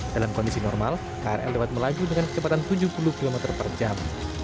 dalam kondisi normal krl dapat melaju dengan kecepatan tujuh puluh km per jam